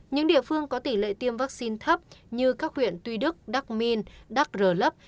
những địa phương có tỷ lệ tiêm vaccine thấp như các huyện tuy đức đắk minh đắk rờ lấp